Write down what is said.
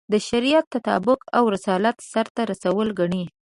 د شریعت تطبیق او رسالت سرته رسول ګڼي.